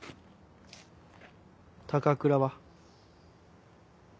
高倉は？